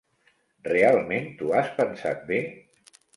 Realment t'ho has pensat bé?